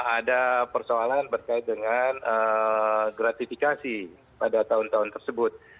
ada persoalan berkait dengan gratifikasi pada tahun tahun tersebut